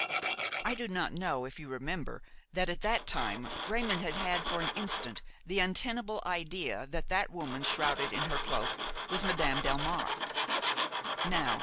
I do not know if you remember that at that time Raymon had had for an instant the untenable idea that that woman shrouded in her cloak was Madame Delmare.